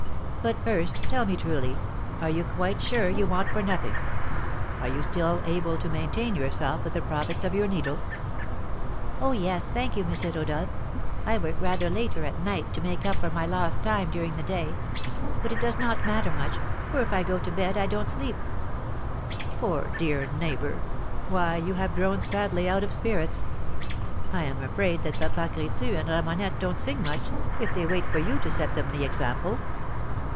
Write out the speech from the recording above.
"But first tell me truly, are you quite sure you want for nothing? Are you still able to maintain yourself with the profits of your needle?" "Oh, yes, thank you, M. Rodolph. I work rather later at night to make up for my lost time during the day. But it does not matter much, for if I go to bed I don't sleep." "Poor, dear neighbour! Why, you have grown sadly out of spirits. I am afraid that Papa Crétu and Ramonette don't sing much, if they wait for you to set them the example."